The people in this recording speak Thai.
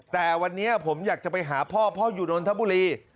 แต่วันนี้ผมอยากจะไปหาพ่อพ่ออยู่นนทบุรี